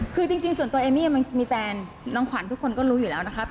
คือจริงส่วนตัวเอมมี่มันมีแฟนน้องขวัญทุกคนก็รู้อยู่แล้วนะครับ